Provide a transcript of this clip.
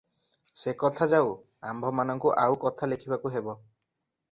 ସେ କଥା ଯାଉ, ଆମ୍ଭମାନଙ୍କୁ ଆଉ କଥା ଲେଖିବାକୁ ହେବ ।